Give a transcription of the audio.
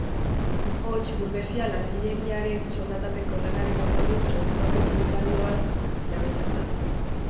Hots, burgesia langileriaren soldatapeko lanaren ondorioz sortutako plus-balioaz jabetzen da.